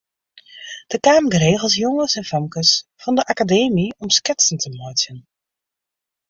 Der kamen geregeld jonges en famkes fan de Akademy om sketsen te meitsjen.